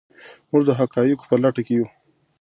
موږ د حقایقو په لټه کې یو.